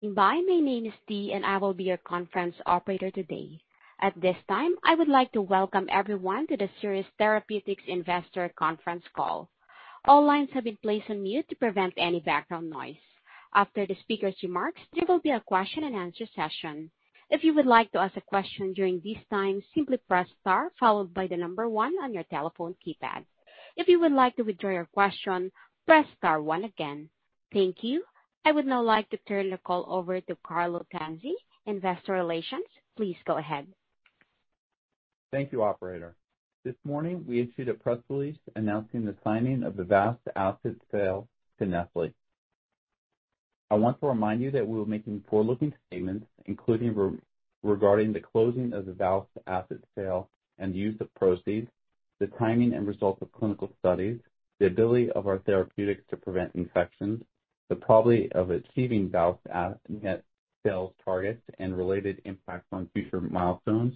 Goodbye, my name is Dee, and I will be your conference operator today. At this time, I would like to welcome everyone to the Seres Therapeutics Investor Conference Call. All lines have been placed on mute to prevent any background noise. After the speaker's remarks, there will be a question and answer session. If you would like to ask a question during this time, simply press star followed by the number one on your telephone keypad. If you would like to withdraw your question, press star one again. Thank you. I would now like to turn the call over to Carlo Tanzi, Investor Relations. Please go ahead. Thank you, operator. This morning, we issued a press release announcing the signing of the VOWST asset sale to Nestlé. I want to remind you that we are making forward-looking statements, including regarding the closing of the VOWST asset sale and use of proceeds, the timing and results of clinical studies, the ability of our therapeutics to prevent infections, the probability of achieving VOWST net sales targets and related impact on future milestones,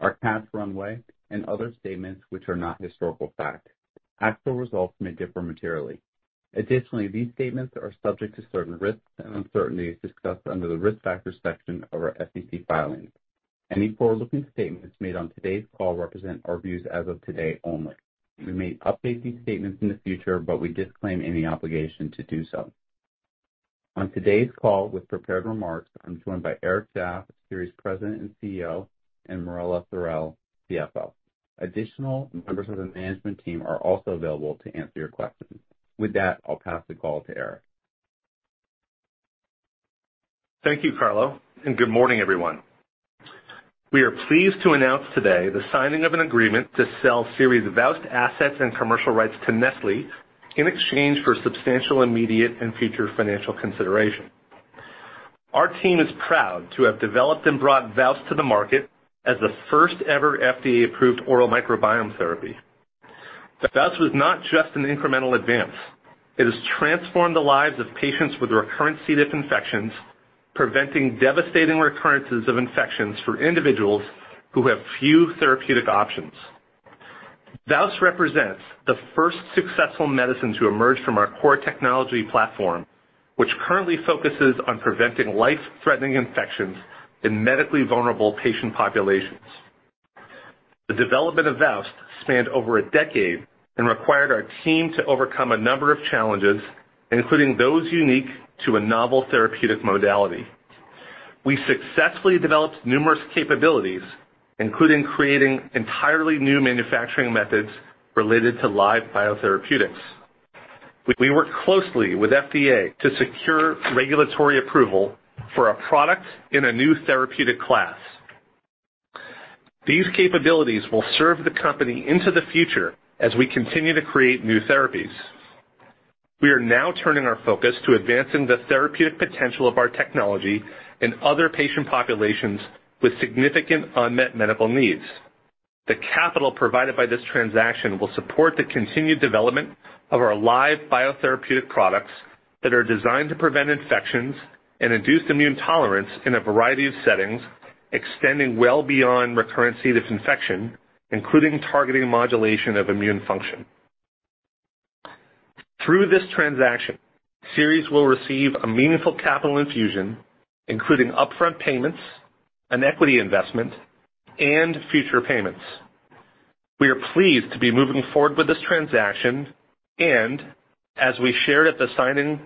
our cash runway, and other statements which are not historical fact. Actual results may differ materially. Additionally, these statements are subject to certain risks and uncertainties discussed under the Risk Factors section of our SEC filings. Any forward-looking statements made on today's call represent our views as of today only. We may update these statements in the future, but we disclaim any obligation to do so. On today's call with prepared remarks, I'm joined by Eric Shaff, Seres President and CEO, and Marella Thorell, CFO. Additional members of the management team are also available to answer your questions. With that, I'll pass the call to Eric. Thank you, Carlo, and good morning, everyone. We are pleased to announce today the signing of an agreement to sell Seres' VOWST assets and commercial rights to Nestlé in exchange for substantial, immediate, and future financial consideration. Our team is proud to have developed and brought VOWST to the market as the first-ever FDA-approved oral microbiome therapy. But VOWST was not just an incremental advance. It has transformed the lives of patients with recurrent C. diff infections, preventing devastating recurrences of infections for individuals who have few therapeutic options. VOWST represents the first successful medicine to emerge from our core technology platform, which currently focuses on preventing life-threatening infections in medically vulnerable patient populations. The development of VOWST spanned over a decade and required our team to overcome a number of challenges, including those unique to a novel therapeutic modality. We successfully developed numerous capabilities, including creating entirely new manufacturing methods related to live biotherapeutics. We worked closely with FDA to secure regulatory approval for a product in a new therapeutic class. These capabilities will serve the company into the future as we continue to create new therapies. We are now turning our focus to advancing the therapeutic potential of our technology in other patient populations with significant unmet medical needs. The capital provided by this transaction will support the continued development of our live biotherapeutic products that are designed to prevent infections and induce immune tolerance in a variety of settings, extending well beyond recurrent C. diff infection, including targeting modulation of immune function. Through this transaction, Seres will receive a meaningful capital infusion, including upfront payments, an equity investment, and future payments. We are pleased to be moving forward with this transaction, and as we shared at the signing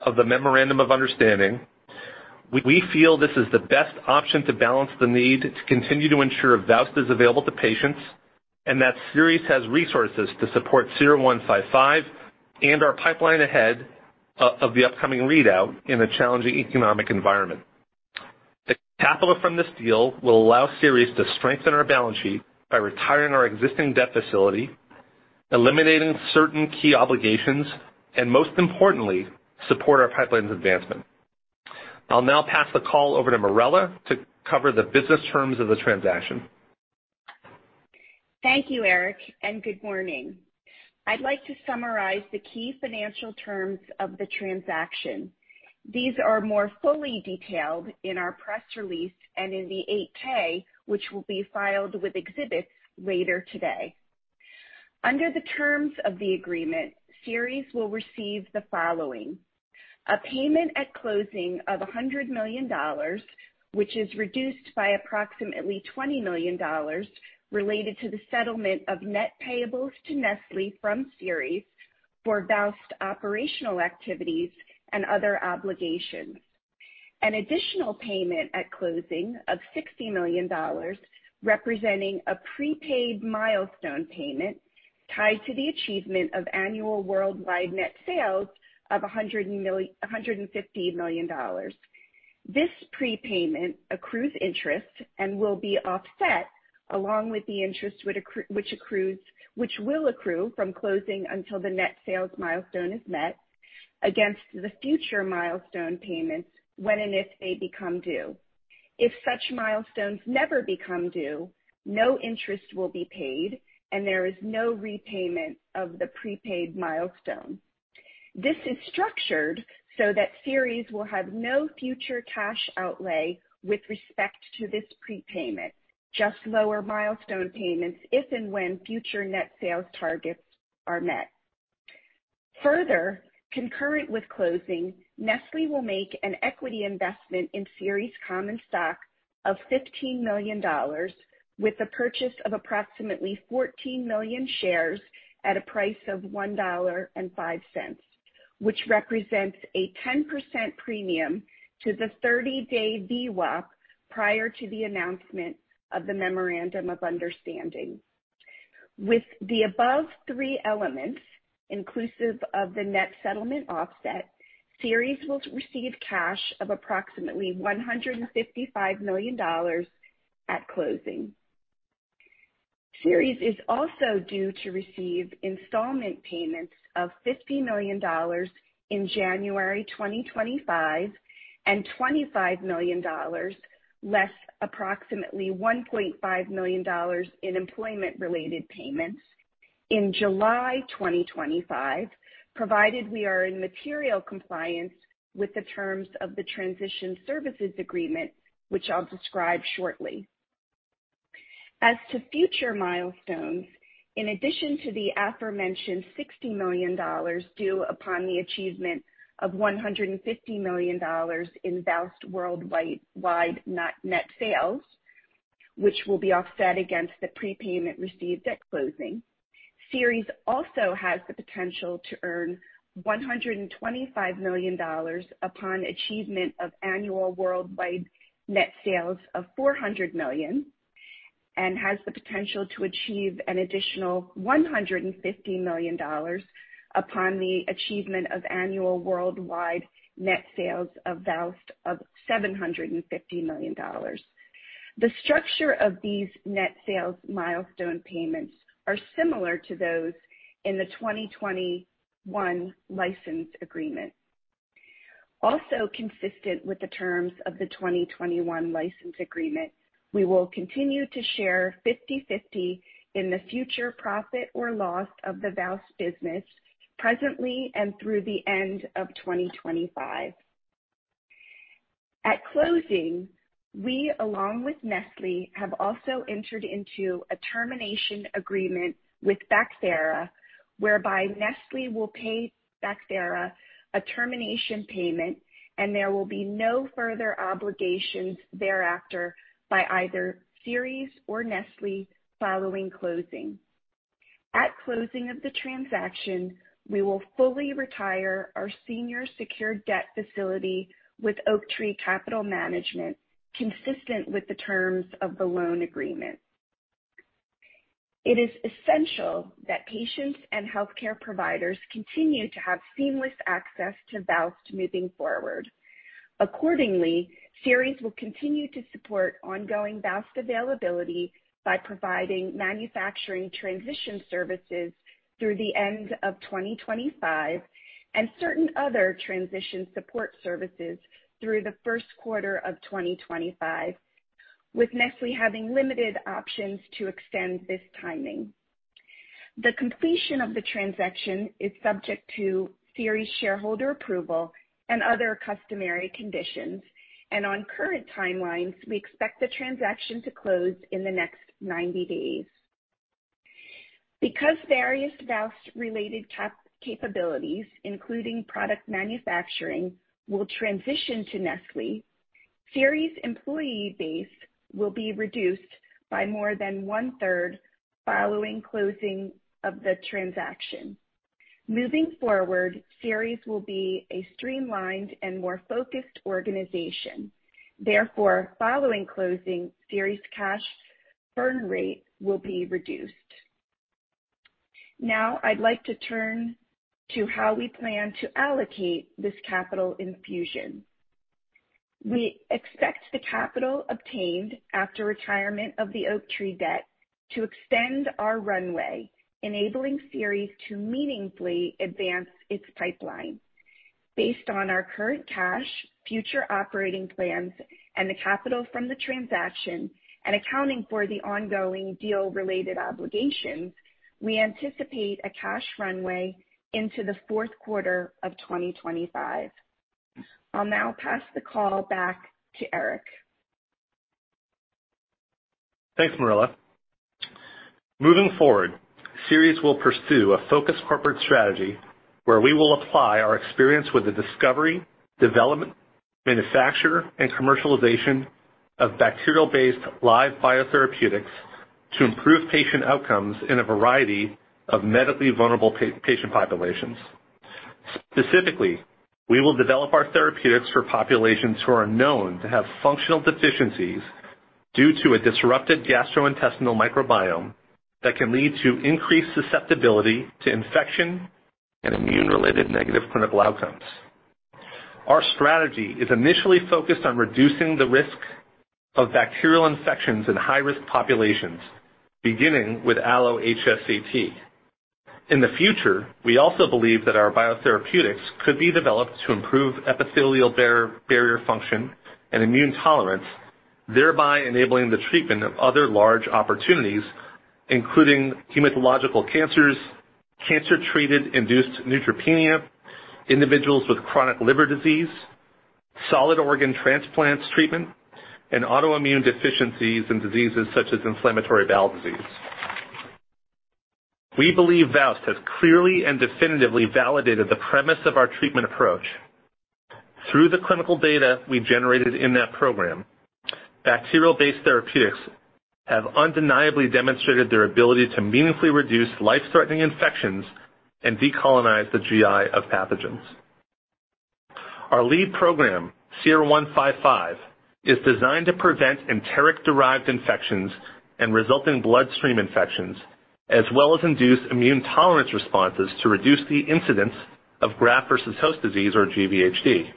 of the memorandum of understanding, we feel this is the best option to balance the need to continue to ensure VOWST is available to patients, and that Seres has resources to support SER-155 and our pipeline ahead of the upcoming readout in a challenging economic environment. The capital from this deal will allow Seres to strengthen our balance sheet by retiring our existing debt facility, eliminating certain key obligations, and most importantly, support our pipeline's advancement. I'll now pass the call over to Marella to cover the business terms of the transaction. Thank you, Eric, and good morning. I'd like to summarize the key financial terms of the transaction. These are more fully detailed in our press release and in the 8-K, which will be filed with exhibits later today. Under the terms of the agreement, Seres will receive the following: a payment at closing of $100 million, which is reduced by approximately $20 million related to the settlement of net payables to Nestlé from Seres for VOWST operational activities and other obligations. An additional payment at closing of $60 million, representing a prepaid milestone payment tied to the achievement of annual worldwide net sales of $100 million-$150 million. This prepayment accrues interest and will be offset, along with the interest, which accrues, which will accrue from closing until the net sales milestone is met, against the future milestone payments when and if they become due. If such milestones never become due, no interest will be paid, and there is no repayment of the prepaid milestone. This is structured so that Seres will have no future cash outlay with respect to this prepayment, just lower milestone payments if and when future net sales targets are met. Further, concurrent with closing, Nestlé will make an equity investment in Seres common stock of $15 million, with the purchase of approximately 14 million shares at a price of $1.05, which represents a 10% premium to the thirty-day VWAP prior to the announcement of the memorandum of understanding. With the above three elements, inclusive of the net settlement offset, Seres will receive cash of approximately $155 million at closing. Seres is also due to receive installment payments of $50 million in January 2025 and $25 million, less approximately $1.5 million in employment-related payments in July 2025, provided we are in material compliance with the terms of the transition services agreement, which I'll describe shortly. As to future milestones, in addition to the aforementioned $60 million due upon the achievement of $150 million in VOWST worldwide, net sales, which will be offset against the prepayment received at closing, Seres also has the potential to earn $125 million upon achievement of annual worldwide net sales of $400 million, and has the potential to achieve an additional $150 million upon the achievement of annual worldwide net sales of VOWST of $750 million. The structure of these net sales milestone payments are similar to those in the 2021 license agreement. Also consistent with the terms of the 2021 license agreement, we will continue to share 50/50 in the future profit or loss of the VOWST business presently and through the end of 2025. At closing, we, along with Nestlé, have also entered into a termination agreement with Bacthera, whereby Nestlé will pay Bacthera a termination payment, and there will be no further obligations thereafter by either Seres or Nestlé following closing. At closing of the transaction, we will fully retire our senior secured debt facility with Oaktree Capital Management, consistent with the terms of the loan agreement. It is essential that patients and healthcare providers continue to have seamless access to VOWST moving forward. Accordingly, Seres will continue to support ongoing VOWST availability by providing manufacturing transition services through the end of 2025, and certain other transition support services through the first quarter of 2025, with Nestlé having limited options to extend this timing. The completion of the transaction is subject to Seres shareholder approval and other customary conditions, and on current timelines, we expect the transaction to close in the next 90 days. Because various VOWST-related capabilities, including product manufacturing, will transition to Nestlé, Seres' employee base will be reduced by more than one-third following closing of the transaction. Moving forward, Seres will be a streamlined and more focused organization. Therefore, following closing, Seres' cash burn rate will be reduced. Now I'd like to turn to how we plan to allocate this capital infusion. We expect the capital obtained after retirement of the Oaktree debt to extend our runway, enabling Seres to meaningfully advance its pipeline. Based on our current cash, future operating plans, and the capital from the transaction, and accounting for the ongoing deal-related obligations, we anticipate a cash runway into the fourth quarter of 2025. I'll now pass the call back to Eric. Thanks, Marella. Moving forward, Seres will pursue a focused corporate strategy where we will apply our experience with the discovery, development, manufacture, and commercialization of bacterial-based live biotherapeutics to improve patient outcomes in a variety of medically vulnerable patient populations. Specifically, we will develop our therapeutics for populations who are known to have functional deficiencies due to a disrupted gastrointestinal microbiome that can lead to increased susceptibility to infection and immune-related negative clinical outcomes. Our strategy is initially focused on reducing the risk of bacterial infections in high-risk populations, beginning with Allo HCT. In the future, we also believe that our biotherapeutics could be developed to improve epithelial barrier function and immune tolerance, thereby enabling the treatment of other large opportunities, including hematological cancers, cancer treatment-induced neutropenia, individuals with chronic liver disease, solid organ transplants treatment, and autoimmune deficiencies and diseases such as inflammatory bowel disease. We believe VOWST has clearly and definitively validated the premise of our treatment approach. Through the clinical data we've generated in that program, bacterial-based therapeutics have undeniably demonstrated their ability to meaningfully reduce life-threatening infections and decolonize the GI of pathogens. Our lead program, SER-155, is designed to prevent enteric-derived infections and resulting bloodstream infections, as well as induce immune tolerance responses to reduce the incidence of graft-versus-host disease, or GVHD.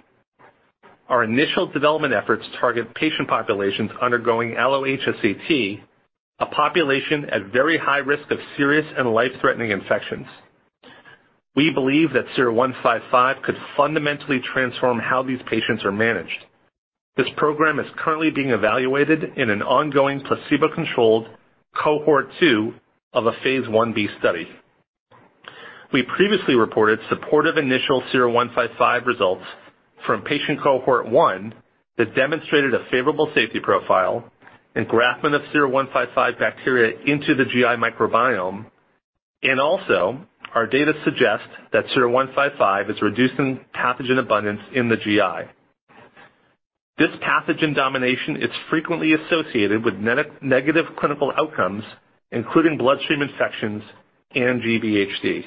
Our initial development efforts target patient populations undergoing Allo-HSCT, a population at very high risk of serious and life-threatening infections. We believe that SER-155 could fundamentally transform how these patients are managed. This program is currently being evaluated in an ongoing placebo-controlled cohort two of a phase Ib study. We previously reported supportive initial SER-155 results from patient cohort 1, that demonstrated a favorable safety profile and engraftment of SER-155 bacteria into the GI microbiome, and also our data suggest that SER-155 is reducing pathogen abundance in the GI. This pathogen domination is frequently associated with negative clinical outcomes, including bloodstream infections and GVHD.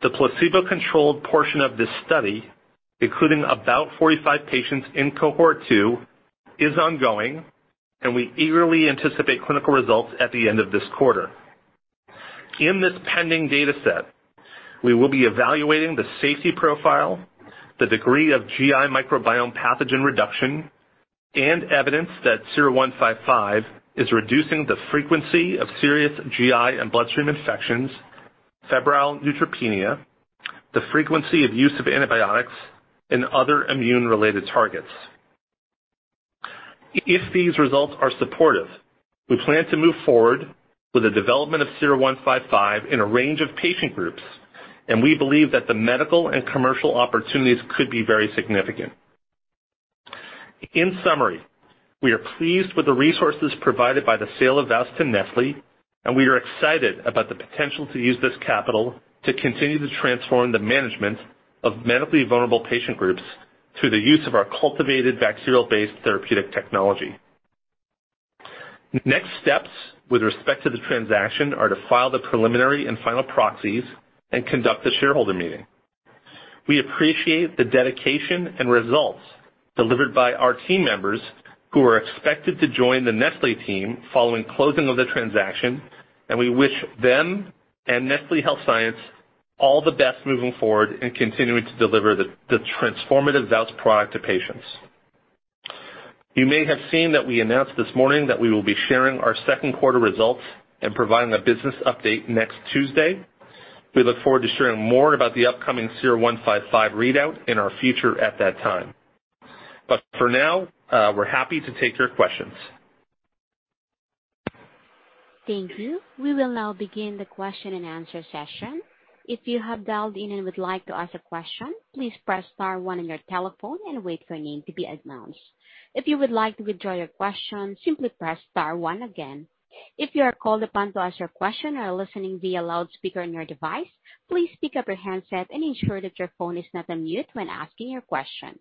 The placebo-controlled portion of this study, including about 45 patients in cohort 2, is ongoing, and we eagerly anticipate clinical results at the end of this quarter. In this pending data set, we will be evaluating the safety profile, the degree of GI microbiome pathogen reduction, and evidence that SER-155 is reducing the frequency of serious GI and bloodstream infections, febrile neutropenia, the frequency of use of antibiotics and other immune-related targets. If these results are supportive, we plan to move forward with the development of SER-155 in a range of patient groups, and we believe that the medical and commercial opportunities could be very significant. In summary, we are pleased with the resources provided by the sale of VOWST to Nestlé, and we are excited about the potential to use this capital to continue to transform the management of medically vulnerable patient groups through the use of our cultivated bacterial-based therapeutic technology. Next steps with respect to the transaction are to file the preliminary and final proxies and conduct the shareholder meeting. We appreciate the dedication and results delivered by our team members, who are expected to join the Nestlé team following closing of the transaction, and we wish them and Nestlé Health Science all the best moving forward in continuing to deliver the transformative VOWST product to patients. You may have seen that we announced this morning that we will be sharing our second quarter results and providing a business update next Tuesday. We look forward to sharing more about the upcoming SER-155 readout in our future at that time. But for now, we're happy to take your questions. Thank you. We will now begin the question-and-answer session. If you have dialed in and would like to ask a question, please press star one on your telephone and wait for your name to be announced. If you would like to withdraw your question, simply press star one again. If you are called upon to ask your question or are listening via loudspeaker on your device, please pick up your handset and ensure that your phone is not on mute when asking your question.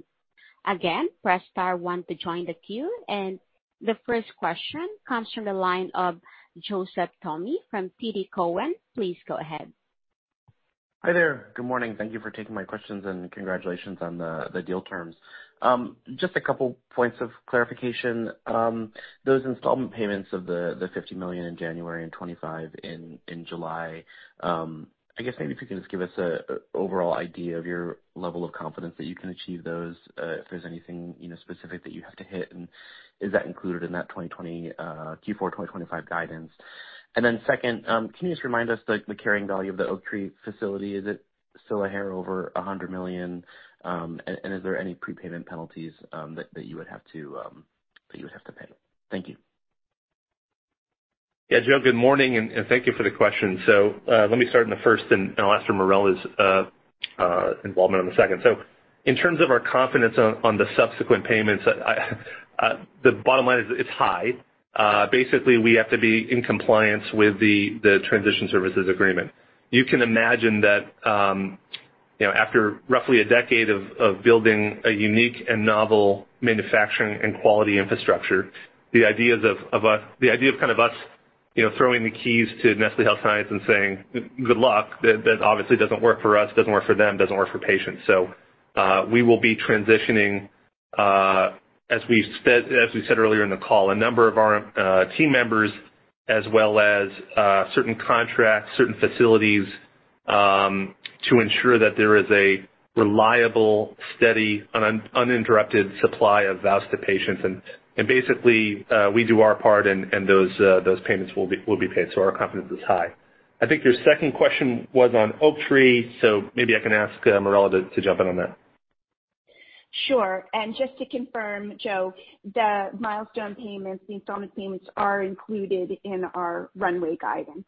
Again, press star one to join the queue. The first question comes from the line of Joseph Thome from TD Cowen. Please go ahead. Hi there. Good morning. Thank you for taking my questions, and congratulations on the deal terms. Just a couple points of clarification. Those installment payments of the $50 million in January and 25 in July, I guess maybe if you can just give us a overall idea of your level of confidence that you can achieve those, if there's anything, you know, specific that you have to hit, and is that included in that 2024 Q4 2025 guidance? And then second, can you just remind us the carrying value of the Oaktree facility? Is it still a hair over $100 million? And is there any prepayment penalties that you would have to pay? Thank you. Yeah, Joe, good morning, and thank you for the question. So, let me start on the first, and I'll ask for Marella's involvement on the second. So in terms of our confidence on the subsequent payments, I, the bottom line is, it's high. Basically, we have to be in compliance with the transition services agreement. You can imagine that, you know, after roughly a decade of building a unique and novel manufacturing and quality infrastructure, the idea of kind of us, you know, throwing the keys to Nestlé Health Science and saying, "Good luck," that obviously doesn't work for us, doesn't work for them, doesn't work for patients. So, we will be transitioning, as we said, as we said earlier in the call, a number of our team members as well as certain contracts, certain facilities, to ensure that there is a reliable, steady, uninterrupted supply of VOWST to patients. And basically, we do our part, and those payments will be paid. So our confidence is high. I think your second question was on Oaktree, so maybe I can ask Marella to jump in on that. Sure. And just to confirm, Joe, the milestone payments, the installment payments, are included in our runway guidance.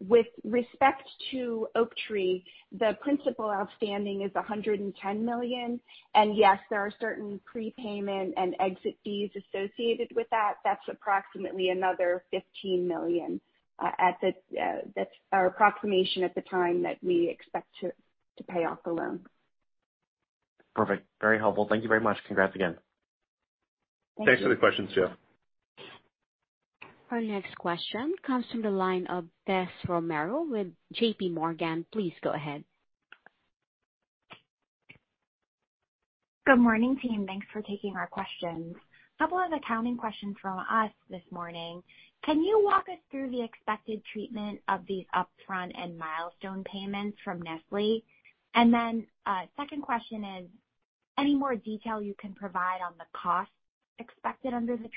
With respect to Oaktree-... the principal outstanding is $110 million, and yes, there are certain prepayment and exit fees associated with that. That's approximately another $15 million at the, that's our approximation at the time that we expect to pay off the loan. Perfect. Very helpful. Thank you very much. Congrats again. Thank you. Thanks for the question, Jeff. Our next question comes from the line of Tessa Romero with J.P. Morgan. Please go ahead. Good morning, team. Thanks for taking our questions. Couple of accounting questions from us this morning. Can you walk us through the expected treatment of these upfront and milestone payments from Nestlé? And then, second question is, any more detail you can provide on the costs expected under the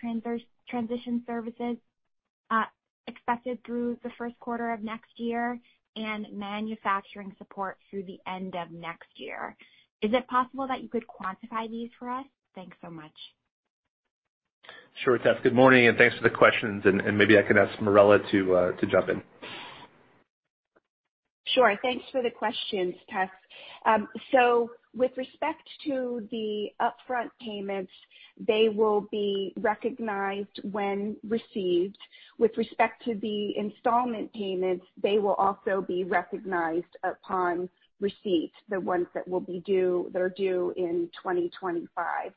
transition services, expected through the first quarter of next year and manufacturing support through the end of next year? Is it possible that you could quantify these for us? Thanks so much. Sure, Tess. Good morning, and thanks for the questions. And maybe I can ask Marella to jump in. Sure. Thanks for the questions, Tess. So with respect to the upfront payments, they will be recognized when received. With respect to the installment payments, they will also be recognized upon receipt, the ones that will be due, that are due in 2025.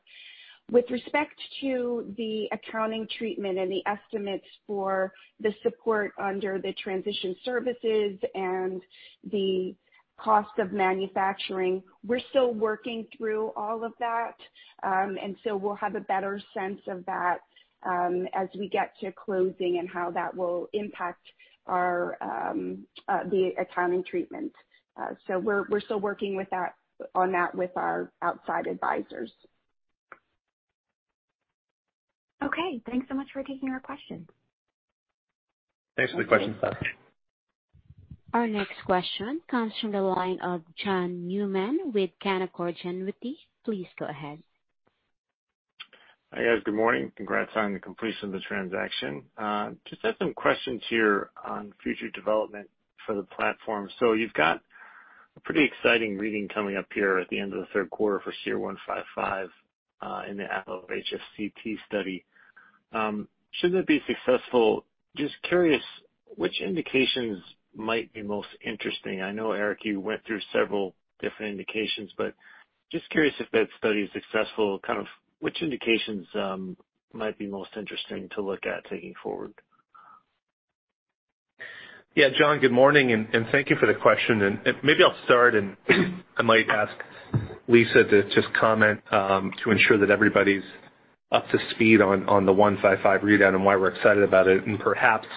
With respect to the accounting treatment and the estimates for the support under the transition services and the cost of manufacturing, we're still working through all of that. And so we'll have a better sense of that, as we get to closing and how that will impact our, the accounting treatment. So we're still working with that, on that with our outside advisors. Okay, thanks so much for taking our question. Thanks for the question, Tess. Our next question comes from the line of John Newman with Canaccord Genuity. Please go ahead. Hi, guys. Good morning. Congrats on the completion of the transaction. Just had some questions here on future development for the platform. So you've got a pretty exciting reading coming up here at the end of the third quarter for SER-155, in the Allo-HSCT study. Should it be successful, just curious, which indications might be most interesting? I know, Eric, you went through several different indications, but just curious if that study is successful, kind of which indications might be most interesting to look at taking forward? Yeah, John, good morning, and thank you for the question. Maybe I'll start, and I might ask Lisa to just comment to ensure that everybody's up to speed on the one-five-five readout and why we're excited about it, and perhaps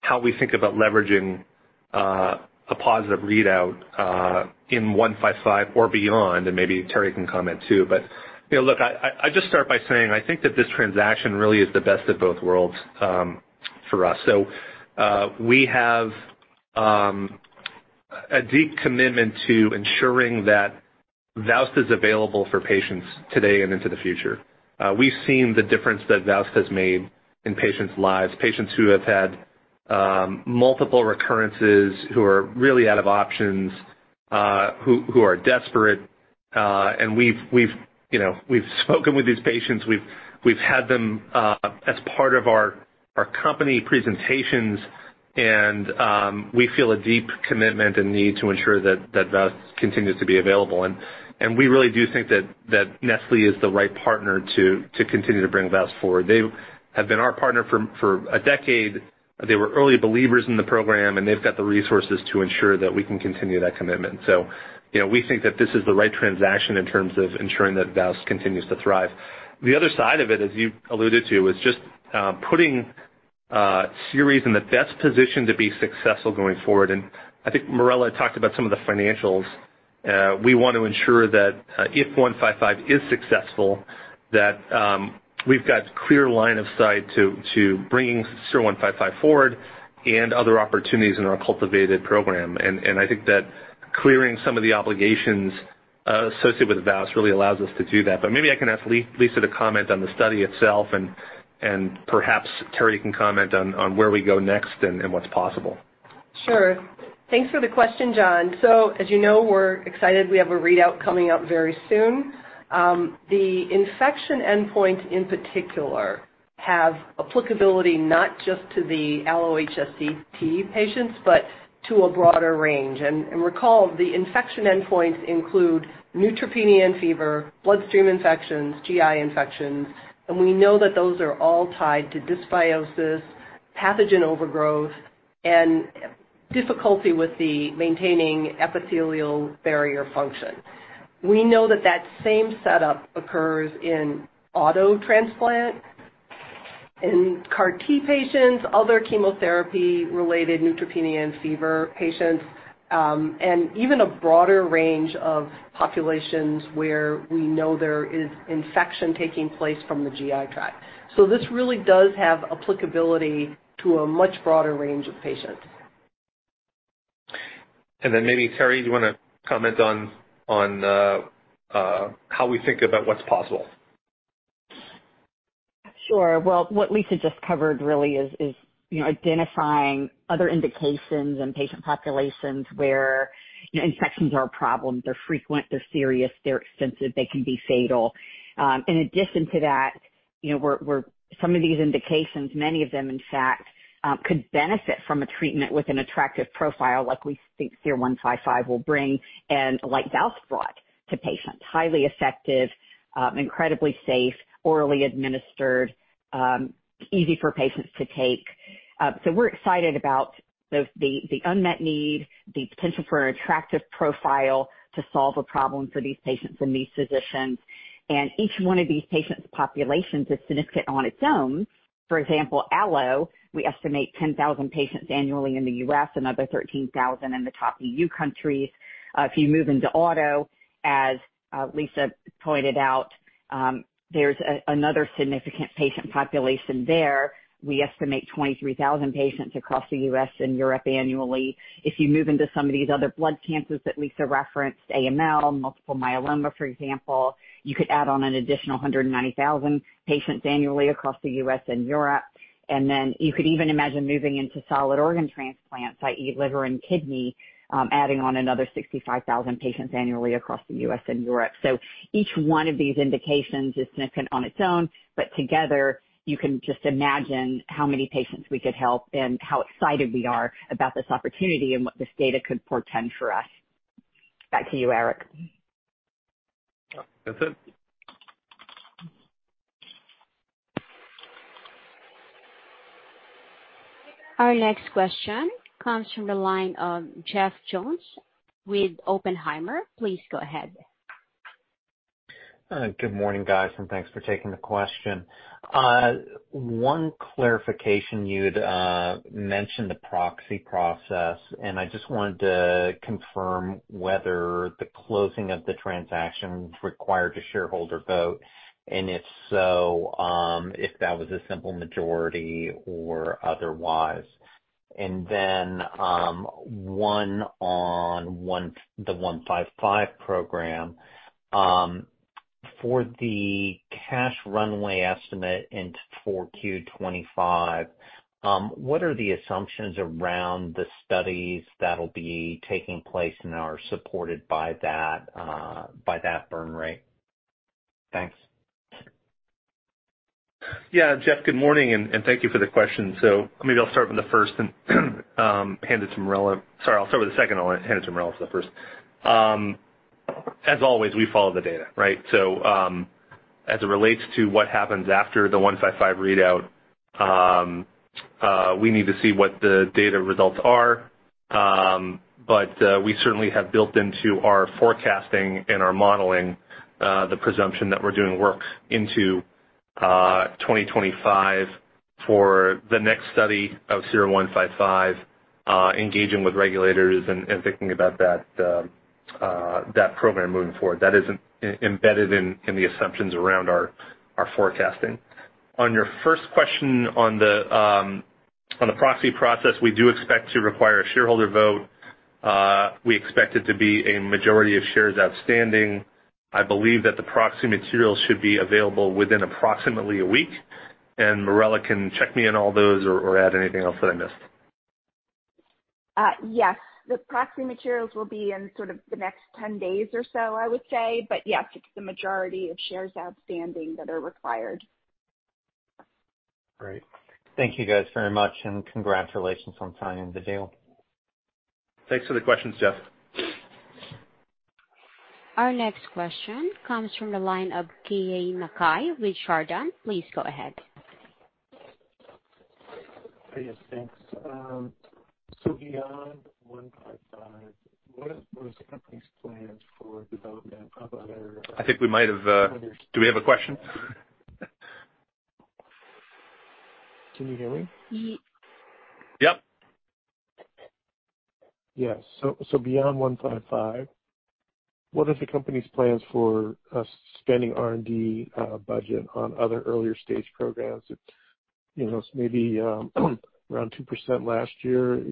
how we think about leveraging a positive readout in one-five-five or beyond, and maybe Teri can comment too. But, you know, look, I just start by saying I think that this transaction really is the best of both worlds for us. So, we have a deep commitment to ensuring that VOWST is available for patients today and into the future. We've seen the difference that VOWST has made in patients' lives, patients who have had multiple recurrences, who are really out of options, who are desperate, and we've, we've, you know, we've spoken with these patients. We've had them as part of our company presentations, and we feel a deep commitment and need to ensure that VOWST continues to be available. We really do think that Nestlé is the right partner to continue to bring VOWST forward. They have been our partner for a decade. They were early believers in the program, and they've got the resources to ensure that we can continue that commitment. So you know, we think that this is the right transaction in terms of ensuring that VOWST continues to thrive. The other side of it, as you alluded to, is just putting Seres in the best position to be successful going forward. And I think Marella talked about some of the financials. We want to ensure that if SER-155 is successful, that we've got clear line of sight to bringing SER-155 forward and other opportunities in our cultivated program. And I think that clearing some of the obligations associated with VOWST really allows us to do that. But maybe I can ask Lisa to comment on the study itself, and perhaps Terri can comment on where we go next and what's possible. Sure. Thanks for the question, John. So as you know, we're excited we have a readout coming up very soon. The infection endpoint, in particular, have applicability not just to the Allo-HSCT patients, but to a broader range. And recall, the infection endpoints include neutropenia and fever, bloodstream infections, GI infections, and we know that those are all tied to dysbiosis, pathogen overgrowth, and difficulty with the maintaining epithelial barrier function. We know that that same setup occurs in auto-HSCT, in CAR T patients, other chemotherapy-related neutropenia and fever patients, and even a broader range of populations where we know there is infection taking place from the GI tract. So this really does have applicability to a much broader range of patients. And then maybe, Terri, do you want to comment on how we think about what's possible?... Sure. Well, what Lisa just covered really is you know, identifying other indications and patient populations where, you know, infections are a problem. They're frequent, they're serious, they're extensive, they can be fatal. In addition to that, you know, we're some of these indications, many of them, in fact, could benefit from a treatment with an attractive profile, like we think SER-155 will bring and like VOWST brought to patients. Highly effective, incredibly safe, orally administered, easy for patients to take. So we're excited about the unmet need, the potential for an attractive profile to solve a problem for these patients and these physicians. And each one of these patients' populations is significant on its own. For example, allo, we estimate 10,000 patients annually in the U.S., another 13,000 in the top EU countries. If you move into auto, as Lisa pointed out, there's another significant patient population there. We estimate 23,000 patients across the U.S. and Europe annually. If you move into some of these other blood cancers that Lisa referenced, AML, multiple myeloma, for example, you could add on an additional 190,000 patients annually across the U.S. and Europe. And then you could even imagine moving into solid organ transplants, i.e., liver and kidney, adding on another 65,000 patients annually across the U.S. and Europe. So each one of these indications is significant on its own, but together, you can just imagine how many patients we could help and how excited we are about this opportunity and what this data could portend for us. Back to you, Eric. Yeah, that's it. Our next question comes from the line of Jeff Jones with Oppenheimer. Please go ahead. Good morning, guys, and thanks for taking the question. One clarification. You'd mentioned the proxy process, and I just wanted to confirm whether the closing of the transaction required a shareholder vote, and if so, if that was a simple majority or otherwise. And then, one on one, the 155 program. For the cash runway estimate and for Q 25, what are the assumptions around the studies that'll be taking place and are supported by that burn rate? Thanks. Yeah, Jeff, good morning, and thank you for the question. So maybe I'll start with the first and hand it to Marella. Sorry, I'll start with the second, I'll hand it to Marella for the first. As always, we follow the data, right? So, as it relates to what happens after the 155 readout, we need to see what the data results are. But, we certainly have built into our forecasting and our modeling, the presumption that we're doing work into 2025 for the next study of 155, engaging with regulators and thinking about that, that program moving forward. That is embedded in the assumptions around our forecasting. On your first question on the proxy process, we do expect to require a shareholder vote. We expect it to be a majority of shares outstanding. I believe that the proxy materials should be available within approximately a week, and Marella can check me on all those or add anything else that I missed. Yes, the proxy materials will be in sort of the next 10 days or so, I would say, but yes, it's the majority of shares outstanding that are required. Great. Thank you, guys, very much, and congratulations on signing the deal. Thanks for the questions, Jeff. Our next question comes from the line of Keay Nakae with Chardan. Please go ahead. Yes, thanks. So beyond 155, what is, what is the company's plans for development of other- I think we might have. Do we have a question? Can you hear me? Yep. Yeah. So, so beyond 155, what are the company's plans for spending R&D budget on other earlier stage programs? It's, you know, maybe around 2% last year.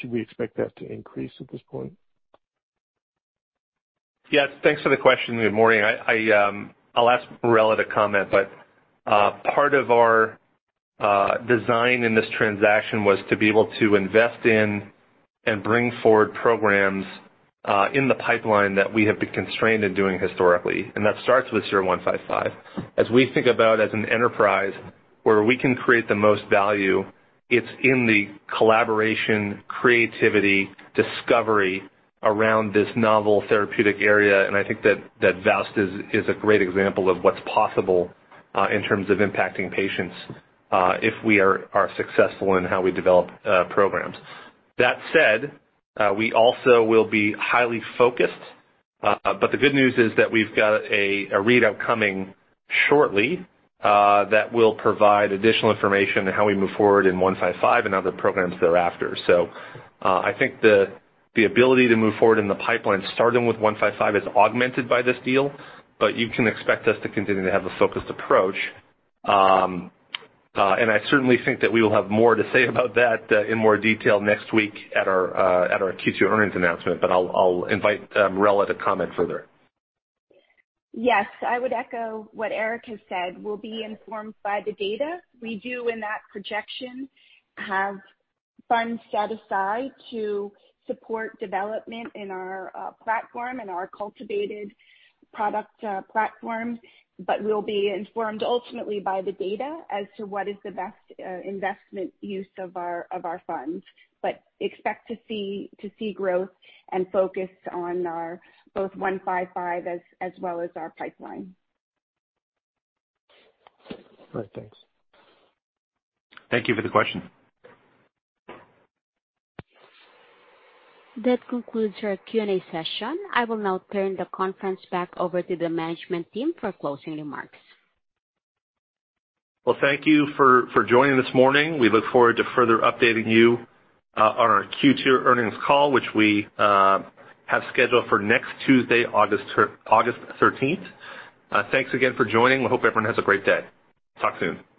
Should we expect that to increase at this point? Yes, thanks for the question, and good morning. I, I'll ask Marella to comment, but, part of our, design in this transaction was to be able to invest in and bring forward programs, in the pipeline that we have been constrained in doing historically, and that starts with SER-155. As we think about as an enterprise where we can create the most value, it's in the collaboration, creativity, discovery around this novel therapeutic area, and I think that, that VOWST is, is a great example of what's possible, in terms of impacting patients, if we are, are successful in how we develop, programs. That said, we also will be highly focused, but the good news is that we've got a readout coming shortly, that will provide additional information on how we move forward in 155 and other programs thereafter. So, I think the ability to move forward in the pipeline, starting with 155, is augmented by this deal, but you can expect us to continue to have a focused approach. And I certainly think that we will have more to say about that, in more detail next week at our Q2 earnings announcement, but I'll invite Marella to comment further. Yes, I would echo what Eric has said. We'll be informed by the data. We do, in that projection, have funds set aside to support development in our platform and our cultivated product platform, but we'll be informed ultimately by the data as to what is the best investment use of our funds. But expect to see growth and focus on our SER-155 as well as our pipeline. All right, thanks. Thank you for the question. That concludes our Q&A session. I will now turn the conference back over to the management team for closing remarks. Well, thank you for joining this morning. We look forward to further updating you on our Q2 earnings call, which we have scheduled for next Tuesday, August thirteenth. Thanks again for joining. We hope everyone has a great day. Talk soon.